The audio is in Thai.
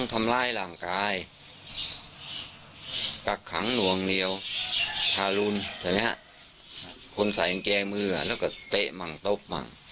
ทราลุนใช่ไหมฮะคนใส่แกงแกมือแล้วก็เตะมั่งตบมั่ง